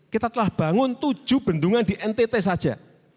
kita telah bangun tujuh bendungan di ntt saja